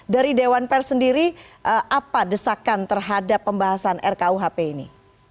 dari dewan pers sendiri apa desakan terhadap pembahasan rkuhp ini